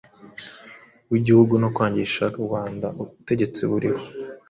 w'igihugu no kwangisha rubanda ubutegetsi buriho.